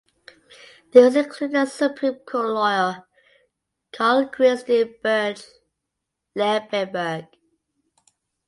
These included the Supreme Court lawyer Carl Christian Birch Liebenberg.